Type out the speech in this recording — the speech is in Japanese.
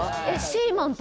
「シーマン」